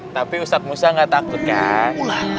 tapi ustaz musa nggak takut kan